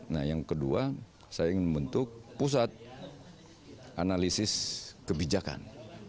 nah yang kedua saya ingin membentuk pusat analisis kebijakan